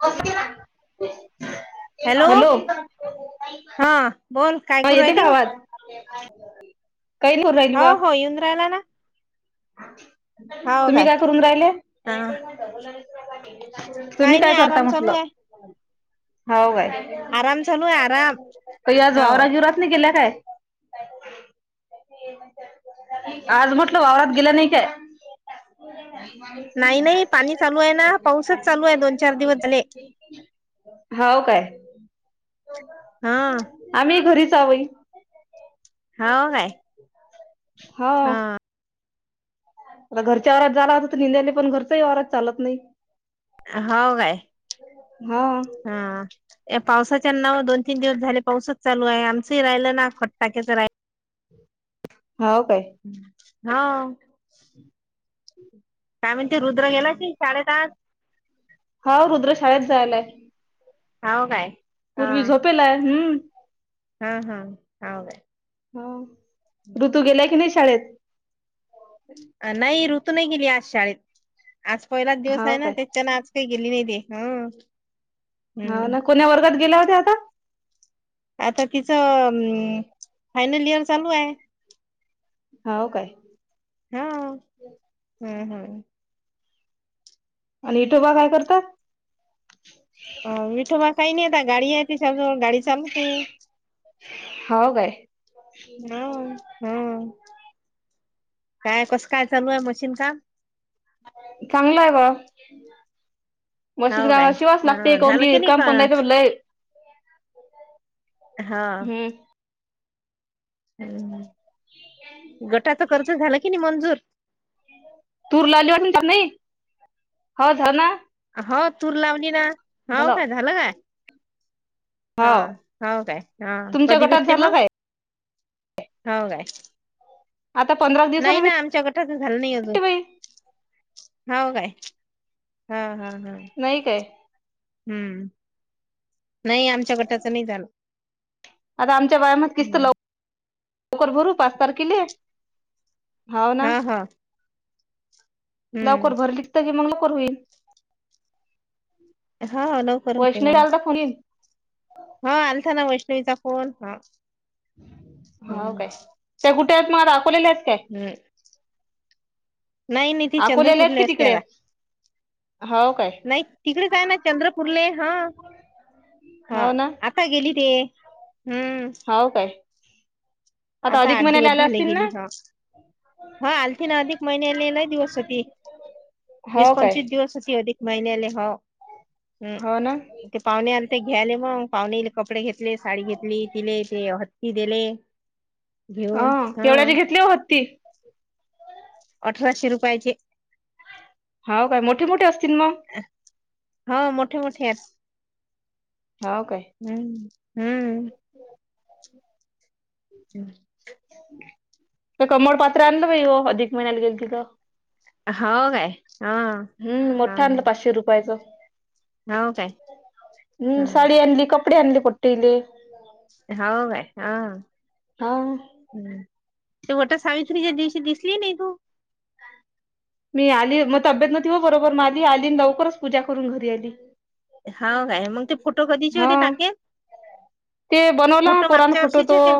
[unintelligible] Hello, हा बोल काय ह करू येते का राहिली आवाज? काही नाही करून राहिली हा बा. हो येऊन राहिला ना? तुम्ही काय करून राहिलेत? हा तुम्ही काय नाही करता? आराम चालू म्हटलं आहे हाव काय आराम चालू आहे आराम काही आज हो वावरा गिवरात तुम्ही गेल्या काय आज म्हटल वावतरात गेला नाही काय. [inaudible] नाही नाही पाणी चालू आहे ना पाऊसच चालू आहे दोन चार दिवस झाले हाव काय हा आम्ही घरीच आव बाई हो काय हाव. हा म्हटल घरच्या वावरात जालागत होत पण तर निेंदायले पण घरच्या वावरात चालत नाही. होव काय? हा हा. या पावसाच्या नाव दोन तीन दिवस झाले पाऊसच चालू आहे आमचंही राहिलं ना खत टाक्याचं राहिल. हव काय? हा. काय म्हणते रुद्र गेला की शाळेत आज. हाव रुद्र शाळेत जायेलाय. हाव काय? हा पूर्वी झोपेलाय हम्म. हा हा हव काय. हव, ऋतू गेलाय की नाही शाळेत? नाही ऋतू नाही गेली आज शाळेत आज पहिलाच दिवस आहे हाव ना काय त्याच्यान आज काही गेली नाही ते ह. हाव ना कोणा वर्गात गेल्याव त्या आता? आता तिचं फायनल इयर चालू आहे. हो काय? हा हम्म हम्म. आणि इटोबा काय करतय? अ विठोबा काही नाही आता गाडी आहे त्येच्या जवळ गाडी चालवते. हो काय. हो हो, काय कसं काय चालू आहे मशीन काम? चांगलंय ग. मशीन हो काय कामास शिवास लागते हा कावण झालं की नाही का कंपनी नाय तर मग लय हा. हम्म हम्म गटाच कर्ज झाला की नाही मंजूर? तूर लावली वाटत तुमच्यात नाही, हो झाल ना. हो तूर लावली ना, हो काय झालं काय? हो हा, हो काय? हा तुमच्या कधी गटात भेटते झालं मग? काय हो काय. आता पंधरा नाही दिवसाने ना आमच्याकड टच झाल नाही अजून भेटते बाई हो काय हा हा ह. नाही काय? हम्म नाही आमच्या गटाच नाही झालं. आता आमच्या बाया म्हणत किस्त हम्म लवकर भरू पाच तारखेली. हा हा. हम्म लवकर भरलि तरी मग लवकर होईल. हा लव वैष्ववीचा आला तर फोन येईल. हो आलता ना वैष्णवीचा फोन हा. हो हम्म काय, त्या कुठे आहेत मग आता अकोल्याला आहेत काय? हम्म नाही नि ती अकोलेल्या आहेत की चंद्रपूरल असते तिकडे आता. आहेत हो काय. नाही तिकडच हाय ना चंद्रपूरले हा हा हो आ ना आता गेली ते हम्म. हो काय आता अधिक आठ महिन्याला दिवस आल्या झाले असतील गेली ना? हा हा आलती ना अधिक महिनेले लय दिवस होती, वीस हो काय पंचवीस दिवस होती अधिक महिन्याले होव हम्म. हो ना ते पाहुणे आलते घ्यायले मग पाहुणेले कपडे घेतले, साडी घेतली, तिले ते हत्ती दिले. अ घेऊन हा केवड्याचे घेतले ओ हत्ती? अठराशे रुपयाचे. हो काय मोठे मोठे असतील मग? हां मोठे मोठे आहेत. हो काय. हम्म हम्म. [inaudible] [inaudible] ते कमळ पात्र आणलं बाई हो अधिक महिन्याला गेलते तर. हो काय हा हम्म हा मोठ आणला पाचशे रुपयाच. हो काय हम्म ह साडी आणली, कपडे आणली पोट्टीली. हो काय हं. हां हम्मं ते गटां सावित्रीच्यां दिवशी दिसली नाहीं तूं मी आंली मंग तब्येत नती वं बरोबर मं आंली आंली लवकरचं पूजा करूंन घरी आंली हां कायं मंग ते फोटो कधींचे हा होते टाकेल ते बनवला कुंट पोरानं मागच्यां फोटो वर्षीचे तो ते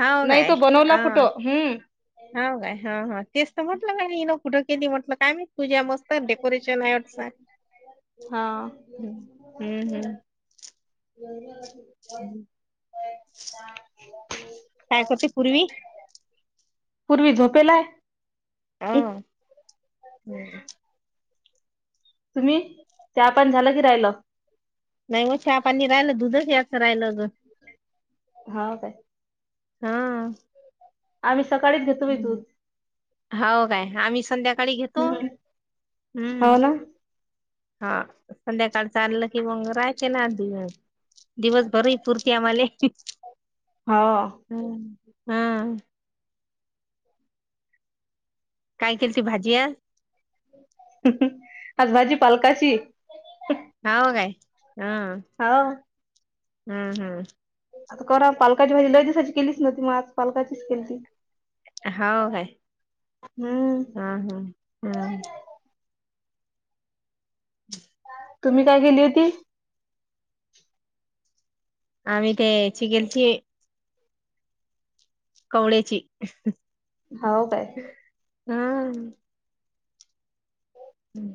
हांव नाही कायं तो बनवला फोटो अहं हम्म हां कायं हां हां तेचं तरं म्हटलं कायं नं कुठं केली म्हटलं कायं मी तुझ्या मसं डेकोरेशन आहेटं हा हम्मं हम्मं ये हम्मं कायं करंची पूर्वी पूर्वी झोपेलांय हम्मं हम्मं तुम्हीं त्यां आपणं झालं की राहिलं नाहीं मंग हां पाणी राहिलं दुधंच याचं राहिलं अगं हां कायं हा. आम्हीं सकाळींच घेतो मी दूधं हो कायं आम्हीं संध्याकांळी घेतो हम्मं हो ना हां संध्याकांळ चाललं की मगं राहां कां नां आंधी दिवसंभर पूरती आम्हांला हां हम्मं हम्मं कायं केली ती भाजीयां आंज भाजी पालकांची हवं कायं हां हां हम्मं हम्मं आंता करां पालकांची भाजी लंय दिसांची केलीच नव्हती मंग आंज पालकांचीच केली ती हो हे हम्म हां हंम हम्मं हम्मं तुम्हीं कायं केली होती आम्हीं ते चिकेलची कावळ्यांची हो कायं हां हं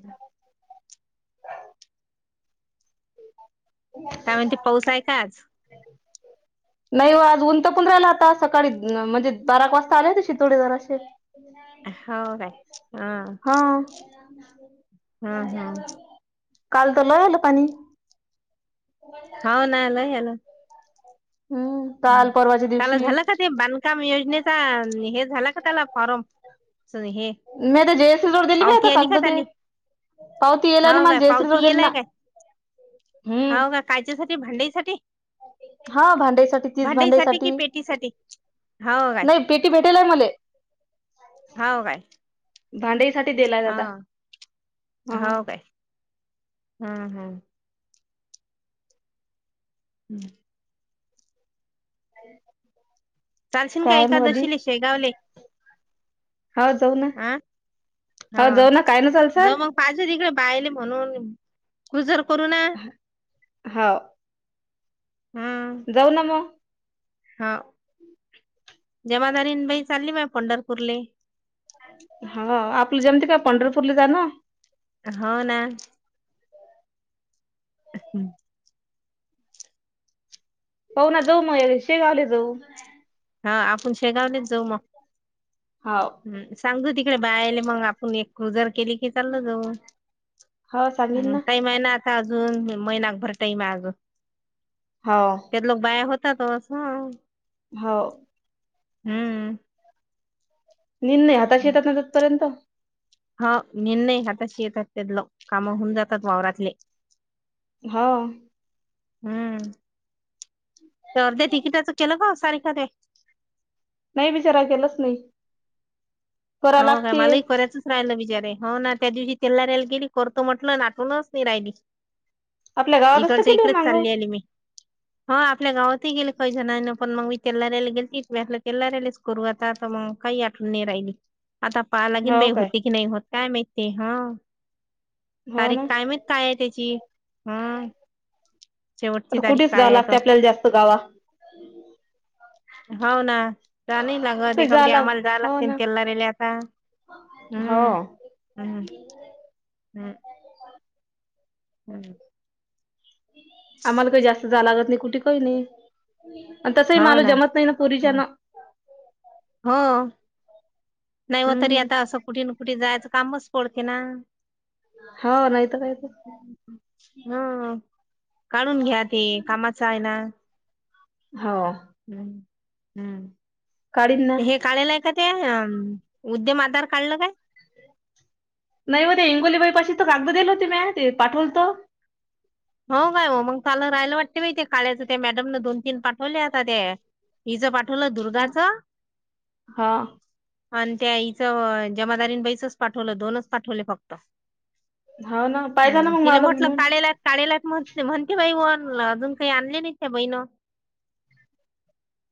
त्यांमुळे ते पाऊस आहे कांच हम्मं नाहीं हो आंज उंत पणं राहिला आंता सकाळीं म्हणजे बाराक वाजतां आले होते शे तोडे जरां असे हो कायं हे हां हम्मं हां कांल तरं लोयलं पाणी हो नालां यालां हम्मं हम् काल झालं ते बांधकाम योजनेचा हे झाला का त्याला फॉर्म हे. मी ते जेस दोड दिली पावती वहता आली का कागद ते. त्याली पावती येला ना हो मला काय जयश्रीकड दिली ना. हम्म हाव का कायच्यासाठी भांडईसाठी? हा भांडईसाठी. भांडईसाठी कि पेटीसाठी हो काय? नाही पेटी भेटेलय मले. हव काय? भांडईसाठी. हा हाव काय हम्म हम्म. हम्म. [inaudible] चालशिन काय मग आधी एकादशीले शेगावले? हो जाऊ ना हा हो जाऊ ना काय ना चालसल. माझ तिकडे बायल म्हणून गुजर करू ना हो. जाऊ ना म. हा जमादारीन बाई चालली बा पंढरपूरले. हा आपल जमती का पंढरपूरले जान? हो ना. हम्म. पाहू ना जाऊ मग यावेळेस शेगावले जाऊ. हा आपण शेगावलेच जाऊ मग. हो. हम् सांगतू तिकडे बायले मग आपण एक क्रुजर केली की चाललं जाऊ. हो सांगेन हम टाईम आहे ना आता अजून महिनाकभर टाईम आहे अजून. हो. त्यात लोक बाया होतातच हा. हो. हम्म. निंद नाही आता शेतात ना ततपर्यंत. हा निर्णय हातशी येतात त्यातलं काम होऊन जातात वावरातले. हा. हम्म ते अर्ध्या तिकिटाचं केलं का सारिका ते? नाही विचारा केलाच नाही. करा हो काय लागते मलाही करायचं राहिलं बिचारे हो ना त्या दिवशी तेला राहिला गेली करतो म्हटलं आठवणच नाही राहिली. आपल्या गावातच त केलं मागं. हो आपल्या गावातही गेले काही जण नाही पण मग मी किल्लारी गेली त मी आपलं किल्लारीच करूता आता मग. काही आठवून नाही राहिली आता पाहालागीन हो बाई काय होती की नाही होत काय माहित हा. हो ना तारीख काय माहित काय आहे त्याची हम. आता कुठेच जावं तर लागते आपल्याला जास्त गावा. हो ना जा नाही लागत एखप आम्हाला जा लागते तेलला रेल्या. हा. हम्. हम्म. आम्हाला काही जास्त जाला लागत नाही कुठे काही नाही. तसही मालू जमत नाही ना पुरीच्या ना हा. नाही म तरी हम्म आता असं कुठे ना कुठे जायचं कामच पडते ना. हो नाही तर काहीत. हा काढून घ्या ते कामाच आहे ना. हो. हम्म हम्म. कडील ना. काढलाय का ते उद्यम आधार काढलं काय. नाही मग ते हिंगोलीबाईपाशी तर कागद दिलं होती म ते पाठवलत. हो काय हो मग चाल राहायला वाटते माहि ते काळचं ते मॅडम न दोन तीन पाठवले आता ते. हिचं पाठवलं दुर्गाच. हा आणि त्या आईचं जमादारीन बाईचच पाठवलं दोनच पाठवले फक्त हाव ना पाहिजा ना हम् मग तिला मला म्हटलं म्हणून काळेला काढला म्हते म्हणते बाईण अजून काही आणले नाही त्या बई न.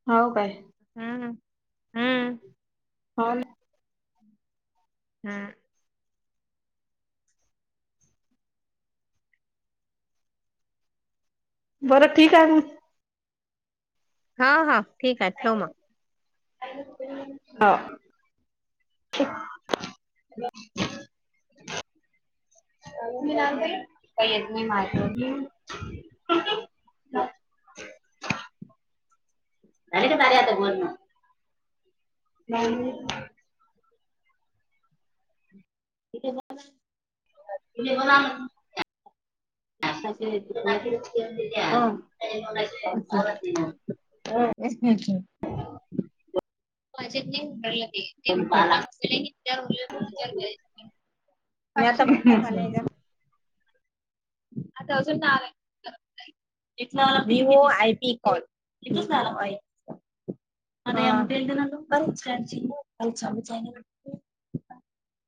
हो काय. हा. [inaudible] हा. बरं ठीक आहे. हा हा ठीक आहे ठेव मग. हो. [inaudible] मी काही येत नाही मारत. [inaudible] नाही. [inaudible] [inaudible] [inaudible] [inaudible] [inaudible] [inaudible] इला वाला विवो आयटी कॉलल सारा आहेय. [inaudible]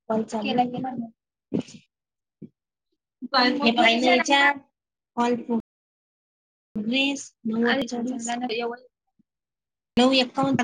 [inaudible] पाणी पाणी चया [inaudible] [inaudible] नऊ एकावन.